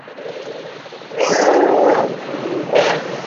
足で首をしめています。